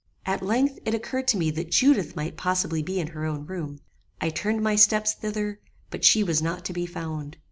"At length it occurred to me that Judith might possibly be in her own room. I turned my steps thither; but she was not to be found.